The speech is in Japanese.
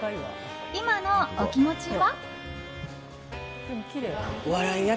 今のお気持ちは。